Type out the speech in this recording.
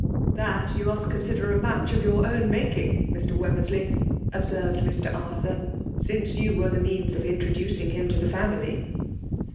'*" Thett you must consider a match of your own making, Mr. Wemrtiersley, observed Mr. Arthur; " since you were the means of introducing him to the family."